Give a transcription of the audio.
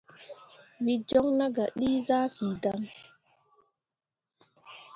Wǝ joŋ nah gah dǝ zaki dan.